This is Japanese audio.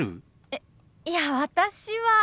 えいや私は。